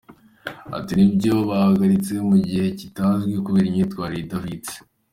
Ati “ Nibyo bahagaritswe mu gihe kitazwi kubera imyitwarire idahwitse.